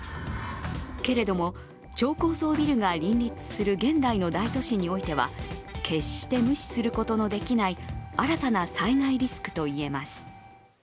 けれども、超高層ビルが林立する現代の大都心においては決して無視することのできない新たな災害リスクといえます。